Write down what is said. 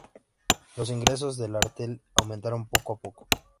Los ingresos del artel aumentaron poco a poco.